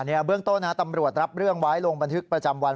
เบื้องต้นตำรวจรับเรื่องไว้ลงบันทึกประจำวัน